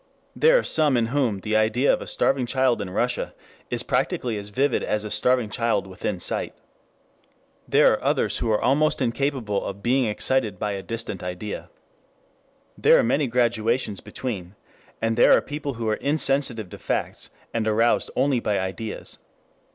There are some in whom the idea of a starving child in Russia is practically as vivid as a starving child within sight. There are others who are almost incapable of being excited by a distant idea. There are many gradations between. And there are people who are insensitive to facts, and aroused only by ideas.